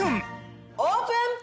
オープン！